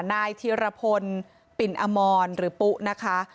นายธีรพลปิ่นอมรหรือปุ๊นะคะ